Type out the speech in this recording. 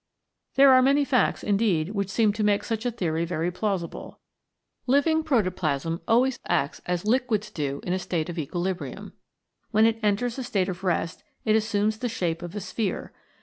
There are many facts, indeed, which seem to make such a theory very plausible. Living protoplasm always acts as liquids do in a state of equilibrium. When it enters a state of rest it assumes the shape of a sphere.